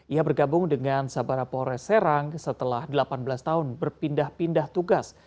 ia bergabung dengan sabara polres serang setelah delapan belas tahun berpindah pindah tugas